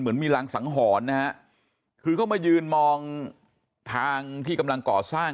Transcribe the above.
เหมือนมีรังสังหรณ์นะฮะคือเขามายืนมองทางที่กำลังก่อสร้าง